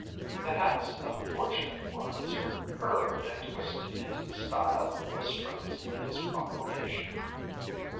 The hats of the fortunate ones were curved and twisted into the style of spring's latest proclamation.